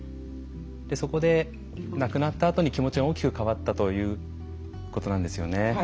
そこで亡くなったあとに気持ちが大きく変わったということなんですよね。